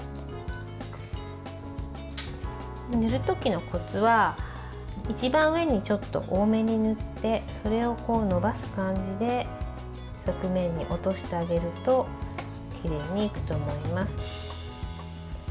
塗る時のコツは一番上にちょっと多めに塗ってそれを伸ばす感じで側面に落としてあげるときれいにいくと思います。